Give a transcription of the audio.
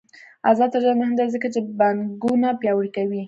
آزاد تجارت مهم دی ځکه چې بانکونه پیاوړي کوي.